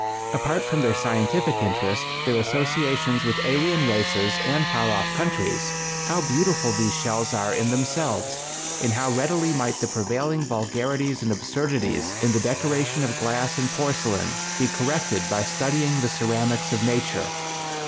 Apart from their scientific interest, their associations with alien races and far off countries, how beautiful these shells are in themselves! and how readily might the prevailing vulgarities and absurdities in the decoration of glass and porcelain be corrected by studying the ceramics of nature!